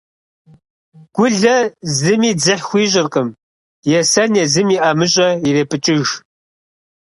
Гулэ зыми дзыхь хуищӀыркъым. Есэн, езым и ӀэмыщӀэ ирепӀыкӀыж.